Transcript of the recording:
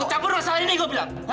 lo cabut masalah ini gue bilang